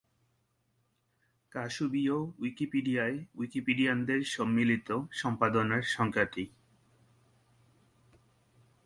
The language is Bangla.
কাশুবীয় উইকিপিডিয়ায় উইকিপিডিয়ানদের সম্মিলিত সম্পাদনার সংখ্যা টি।